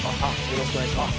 よろしくお願いします。